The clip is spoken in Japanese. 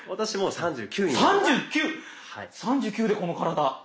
３９⁉３９でこの体。